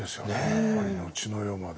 やっぱり後の世まで。